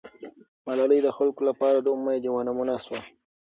ملالۍ د خلکو لپاره د امید یوه نمونه سوه.